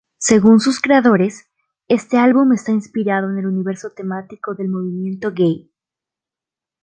Según sus creadores, este álbum está inspirado en el universo temático del movimiento Gay.